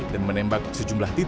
dan menembak sejumlah pembunuhan